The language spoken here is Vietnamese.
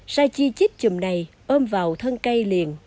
sai chi chít chùm này ôm vào thân cây liền